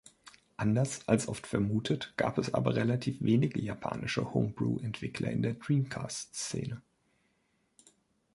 Anders als oft vermutet, gab es aber relativ wenige japanische Homebrew-Entwickler in der Dreamcast-Szene.